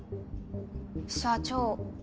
社長。